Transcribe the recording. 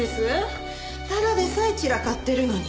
ただでさえ散らかってるのに。